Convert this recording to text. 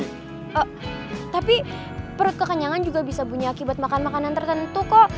tapi perut kekenyangan juga bisa punya akibat makan makanan tertentu kok